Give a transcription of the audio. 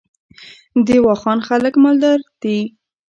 د واخان خلک مالدار دي